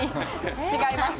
違います。